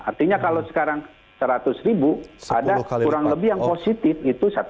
artinya kalau sekarang seratus ribu ada kurang lebih yang positif itu satu juta